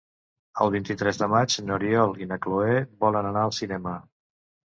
El vint-i-tres de maig n'Oriol i na Cloè volen anar al cinema.